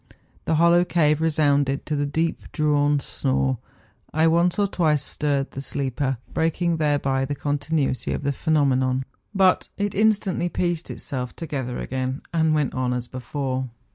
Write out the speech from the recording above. The hollow cave resounded to the deep drawn snore. I once or twice stirred the sleeper, breaking thereby the continuity of the phenomenon ; but it instantly pieced itself together again, and went on as before.